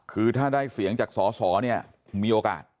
คือถ้าได้เสียงจากสอสอเนี่ยมีโอกาส